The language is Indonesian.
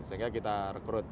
sehingga kita rekrut